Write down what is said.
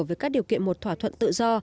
với các điều kiện một thỏa thuận tự do